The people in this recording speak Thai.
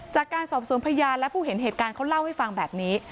จากการสอบสวนพยานและผู้เห็นเหตุการณ์เขาเล่าให้ฟังแบบนี้